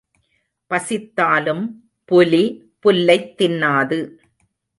பசித்தாலும் புலி புல்லைத் தின்னாது.